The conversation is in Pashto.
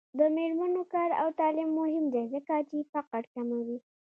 د میرمنو کار او تعلیم مهم دی ځکه چې فقر کموي.